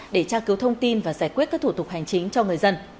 để tra cứu thông tin và giải quyết các thủ tục hành chính cho người dân